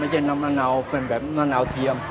ไม่ใช่มะนาวเป็นแบบมะนาวเทียม